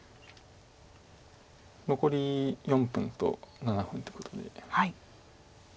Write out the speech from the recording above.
残り４分と７分ということで。